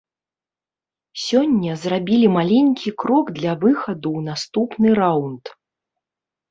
Сёння зрабілі маленькі крок для выхаду ў наступны раўнд.